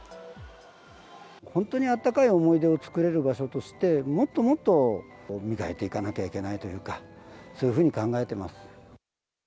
本当に温かい思い出を作れる場所として、もっともっと磨いていかなきゃいけないというか、そういうふうに考えてます。